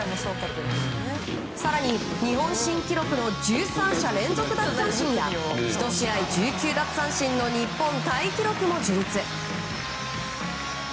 更に日本新記録の１３者連続奪三振や１試合１９奪三振の日本タイ記録も樹立。